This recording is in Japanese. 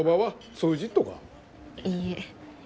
いいえ。